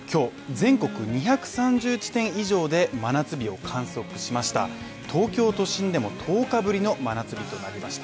全国２３１点以上で真夏日を観測しました東京都心でも１０日ぶりの真夏日となりました